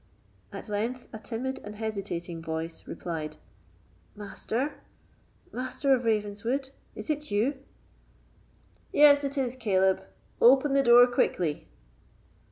At length a timid and hesitating voice replied: "Master—Master of Ravenswood, is it you?" "Yes, it is I, Caleb; open the door quickly."